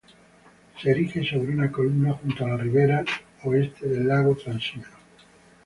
Se erige sobre una columna junto a la ribera oeste del lago Trasimeno.